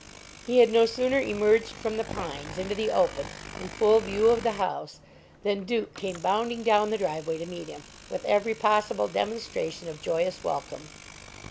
He had no sooner emerged from the pines into the open, in full view of the house, than Duke came bounding down the driveway to meet him, with every possible demonstration of joyous welcome.